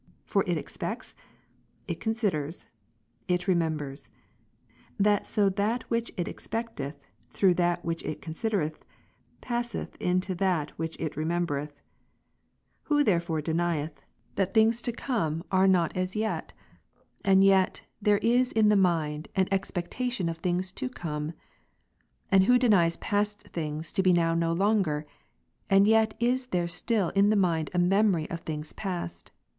For it expects, it considers, it remembers ; that so that which it expectetli, through that which it considereth, passeth into that which it remem beretb . Who therefore denieth, that things to come are not 246 Lengthof future and past, only relative to the mind. CONF. as yet ? and yet, there is in the mind an expectation of things ——'— to come. And who denies past things to be now no longei* ? and yet is there still in the mind a memory of things past.